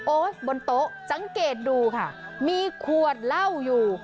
บนโต๊ะสังเกตดูค่ะมีขวดเหล้าอยู่